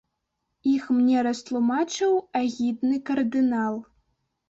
Іх мне растлумачыў агідны кардынал.